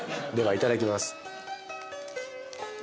ではいただきます。